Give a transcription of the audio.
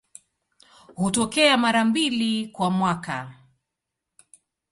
Hutokea mara mbili kwa mwaka.